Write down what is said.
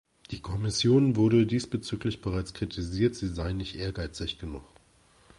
Die Kommission wurde diesbezüglich bereits kritisiert, sie sei nicht ehrgeizig genug.